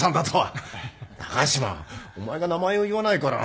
高島お前が名前を言わないから。